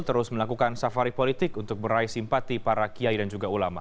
terus melakukan safari politik untuk meraih simpati para kiai dan juga ulama